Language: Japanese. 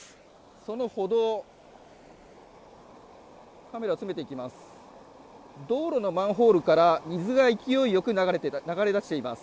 その歩道カメラ詰めていきます。